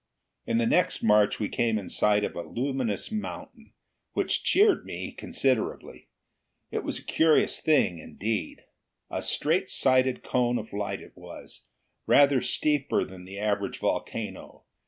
On the next march we came in sight of the luminous mountain, which cheered me considerably. It was a curious thing, indeed. A straight sided cone of light it was, rather steeper than the average volcano.